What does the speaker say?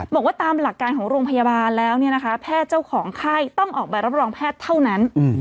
บอกว่าตามหลักการของโรงพยาบาลแล้วแพทย์เจ้าของไข้ต้องออกใบรับรองแพทย์เท่านั้น